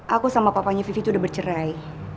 aku sama papanya vivi itu udah bercerai